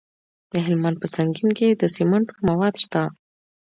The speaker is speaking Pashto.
د هلمند په سنګین کې د سمنټو مواد شته.